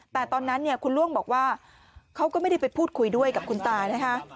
แต่ตอนนั้นเนี่ยคุณล่วงบอกว่าเขาก็ไม่ได้ไปพูดคุยด้วยกับคุณตานะคะ